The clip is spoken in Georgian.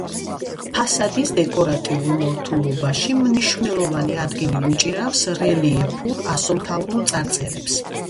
ფასადის დეკორატიულ მორთულობაში მნიშვნელოვანი ადგილი უჭირავს რელიეფურ, ასომთავრულ წარწერებს.